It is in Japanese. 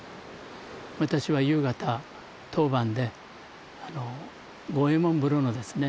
私は夕方当番で五右衛門風呂のですね